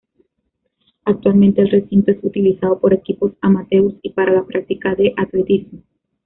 Actualmente el recinto es utilizado por equipos amateurs y para la práctica de atletismo.